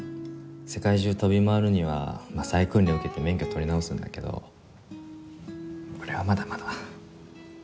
世界中を飛び回るには再訓練を受けて免許取り直すんだけど俺はまだまだ。